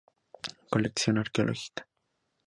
Colección arqueológica.